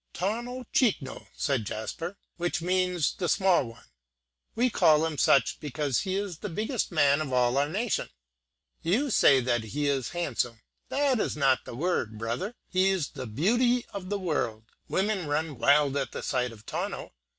"Tawno Chikno," said Jasper, "which means the small one; we call him such because he is the biggest man of all our nation. You say he is handsome that is not the word, brother; he's the beauty of the world. Women run wild at the sight of Tawno.